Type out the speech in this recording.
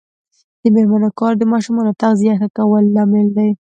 د میرمنو کار د ماشومانو تغذیه ښه کولو لامل دی.